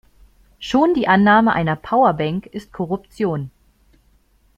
Schon die Annahme einer Powerbank ist Korruption.